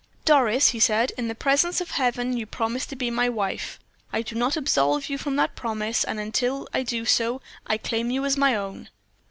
"Doris," he said, "in the presence of Heaven you promised to be my wife. I do not absolve you from that promise, and until I do so, I claim you as my own."